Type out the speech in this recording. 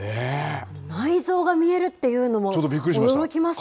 内臓が見えるっていうのも驚きましたよ。